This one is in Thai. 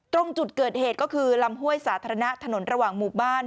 ตรงจุดเกิดเหตุก็คือลำห้วยสาธารณะถนนระหว่างหมู่บ้าน